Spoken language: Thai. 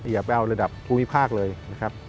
อย่าไปเอาระดับภูมิภาคเลยนะครับ